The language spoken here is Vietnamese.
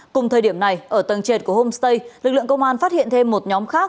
cùng thời điểm này ở tầng trệt của homestay lực lượng công an phát hiện thêm một nhóm khác